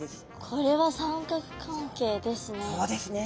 これは三角関係ですね。